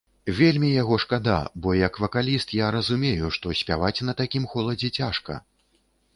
Вельмі яго шкада, бо як вакаліст, я разумею, што спяваць на такім холадзе цяжка.